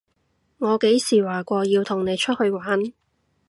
我幾時話過要同你出去玩？